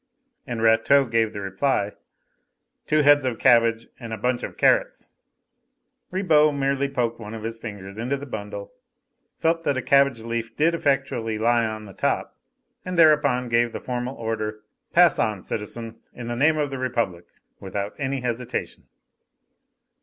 and Rateau gave the reply: "Two heads of cabbage and a bunch of carrots," Ribot merely poked one of his fingers into the bundle, felt that a cabbage leaf did effectually lie on the top, and thereupon gave the formal order: "Pass on, citizen, in the name of the Republic!" without any hesitation.